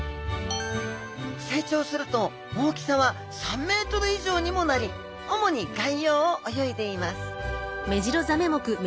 成長すると大きさは３ｍ以上にもなり主に外洋を泳いでいます